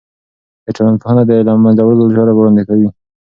د ټولنپوهنه د له منځه وړلو چاره وړاندې کوي.